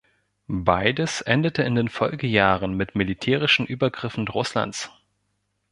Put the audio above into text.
Beides endete in den Folgejahren mit militärischen Übergriffen Russlands.